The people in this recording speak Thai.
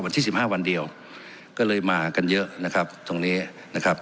สิบห้าวันเดียวก็เลยมากันเยอะนะครับตรงนี้นะครับ